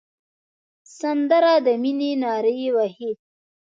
سندره د مینې نارې وهي